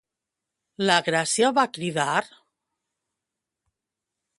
La Gràcia va cridar?